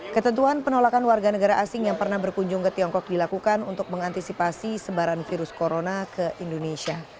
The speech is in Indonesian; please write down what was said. ketentuan penolakan warga negara asing yang pernah berkunjung ke tiongkok dilakukan untuk mengantisipasi sebaran virus corona ke indonesia